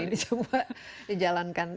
ini semua dijalankan